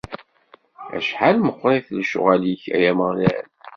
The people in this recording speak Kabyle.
Acḥal meqqrit lecɣwal-ik, a Ameɣlal!